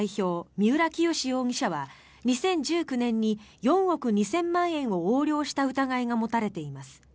三浦清志容疑者は２０１９年に４億２０００万円を横領した疑いが持たれています。